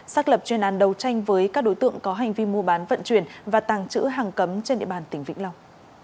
xác lập chuyên án đấu tranh với các đối tượng có hành vi mua bán vận chuyển và tàng trữ hàng cấm trên địa bàn tỉnh vĩnh long